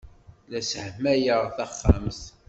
La sseḥmayeɣ taxxamt.